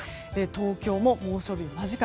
東京も猛暑日間近。